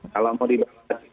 kalau mau dibahas